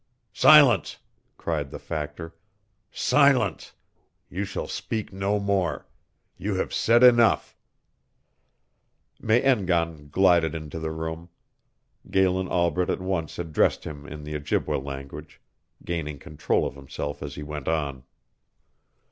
"Silence!" cried the Factor. "Silence! You shall speak no more! You have said enough " Me en gan glided into the room. Galen Albret at once addressed him in the Ojibway language, gaining control of himself as he went on.